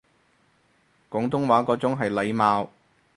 廣東話嗰種係體貌